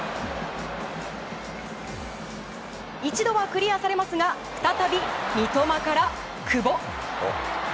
一度はクリアされますが再び、三笘から久保。